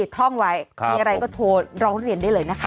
ท่องไว้มีอะไรก็โทรร้องเรียนได้เลยนะคะ